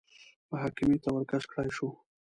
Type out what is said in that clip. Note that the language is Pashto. محاکمې ته ورکش کړای شو